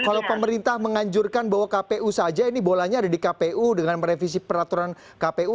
kalau pemerintah menganjurkan bahwa kpu saja ini bolanya ada di kpu dengan merevisi peraturan kpu